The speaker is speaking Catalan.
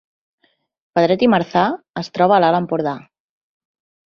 Pedret i Marzà es troba a l’Alt Empordà